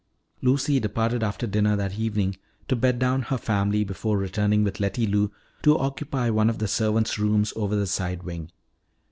Lucy departed after dinner that evening to bed down her family before returning with Letty Lou to occupy one of the servant's rooms over the side wing.